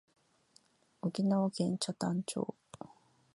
沖縄県北谷町